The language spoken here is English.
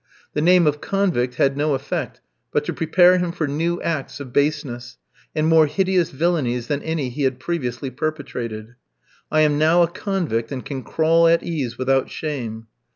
The name of convict had no effect but to prepare him for new acts of baseness, and more hideous villainies than any he had previously perpetrated. "I am now a convict, and can crawl at ease, without shame."